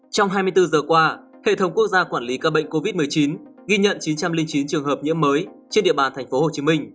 trong hai mươi bốn giờ qua hệ thống quốc gia quản lý ca bệnh covid một mươi chín ghi nhận chín trăm linh chín trường hợp nhiễm mới trên địa bàn tp hcm